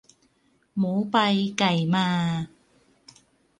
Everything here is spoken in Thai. หมูไปไก่มา